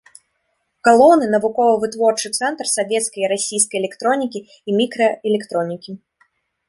Галоўны навукова-вытворчы цэнтр савецкай і расійскай электронікі і мікраэлектронікі.